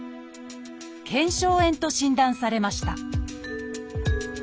「腱鞘炎」と診断されました。